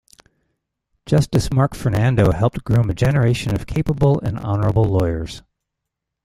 Justice Mark Fernando helped groom a generation of capable and honourable lawyers.